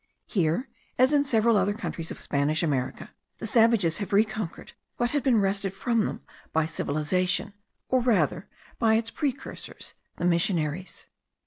Here, as in several other countries of Spanish America, the savages have reconquered what had been wrested from them by civilization, or rather by its precursors, the missionaries.